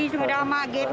cuma dalam agp